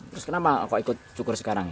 terus kenapa kok ikut cukur sekarang ini